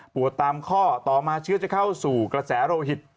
ตามข้อต่อมาเชื้อจะเข้าสู่กระแสโรหิต